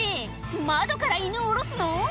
窓から犬を下ろすの？